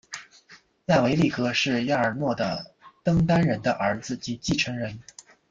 亚维力格是亚尔诺的登丹人的儿子及继承人。